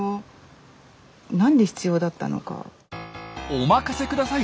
お任せください！